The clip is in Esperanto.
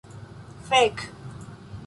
Fek'!